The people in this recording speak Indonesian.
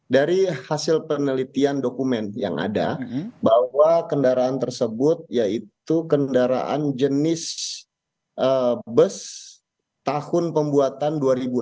dari hasil penelitian dokumen yang ada bahwa kendaraan tersebut yaitu kendaraan jenis bus tahun pembuatan dua ribu enam belas